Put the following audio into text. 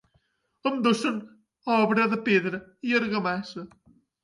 Ambdós són obra de pedra i argamassa.